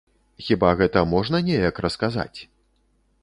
Хіба гэта можна неяк расказаць?